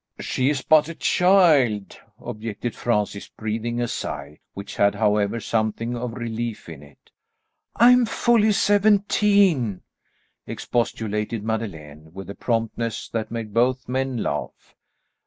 "She is but a child," objected Francis, breathing a sigh, which had, however, something of relief in it. "I am fully seventeen," expostulated Madeleine, with a promptness that made both men laugh.